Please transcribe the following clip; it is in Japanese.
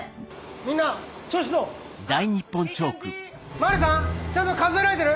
・マルさんちゃんと数えられてる？